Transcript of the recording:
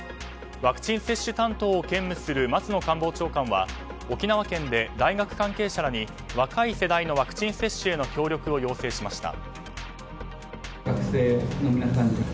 ワクチン接種担当を兼務する松野官房長官は沖縄県で大学関係者らに若い世代のワクチン接種への協力を要請しました。